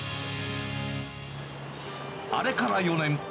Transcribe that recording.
あれから４年。